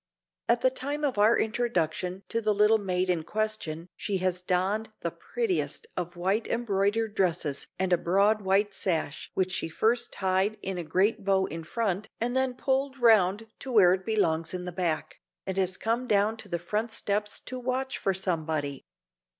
At the time of our introduction to the little maid in question she has donned the prettiest of white embroidered dresses and a broad white sash (which she first tied in a great bow in front and then pulled round to where it belongs in the back), and has come down to the front steps to watch for somebody.